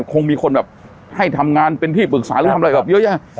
คงมีคนแบบให้ทำงานเป็นที่ปรึกษาหรือทำอะไรแบบเยอะแยะ